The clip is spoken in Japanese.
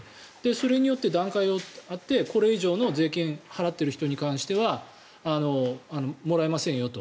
それによって段階を追ってこれ以上の税金を払っている人に対してはもらいませんよと。